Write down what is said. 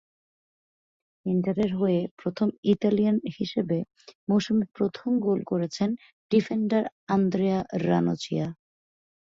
ইন্টারের হয়ে প্রথম ইতালিয়ান হিসেবে মৌসুমে প্রথম গোল করেছেন ডিফেন্ডার আন্দ্রেয়া রানোচ্চিয়া।